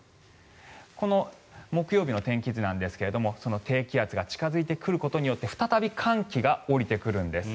この木曜日の天気図なんですが低気圧が近付いてくることで再び寒気が降りてくるんです。